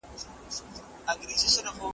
جګه لکه ونه د چینار په پسرلي کي .